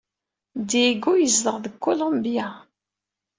Diego yezdeɣ deg Kulumbya.